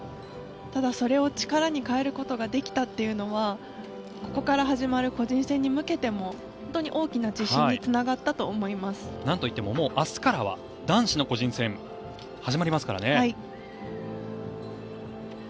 ただ、それを力に変えることができたというのはここから始まる個人戦に向けても本当に大きな自信になんといってももう明日からは男子の個人戦が始まりますからね。